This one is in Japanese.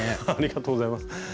ありがとうございます。